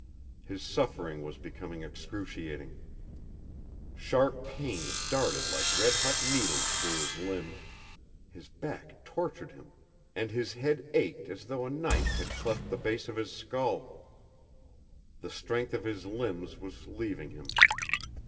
His suffering was becoming excruciating. Sharp pains darted like red hot needles through his limbs, his back tortured him, and his head ached as though a knife had cleft the base of his skull. The strength of his limbs was leaving him.